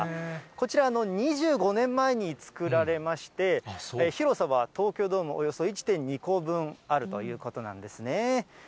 こちら、２５年前に造られまして、広さは東京ドームおよそ１．２個分あるということなんですね。